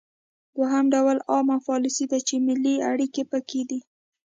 دوهم ډول عامه پالیسي ده چې ملي اړیکې پکې دي